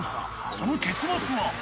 その結末は？